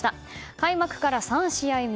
開幕から３試合目。